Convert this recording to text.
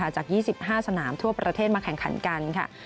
จาก๒๕สนามทั่วประเทศมาแข่งขันกันค่ะ